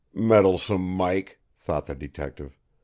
"Meddlesome Mike!" thought the detective.